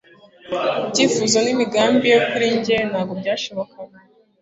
ibyifuzo n'imigambi ye kuri njye ntabwo byashobokaga